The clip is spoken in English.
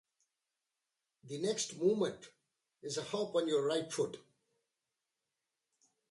The next movement is a hop on your right foot.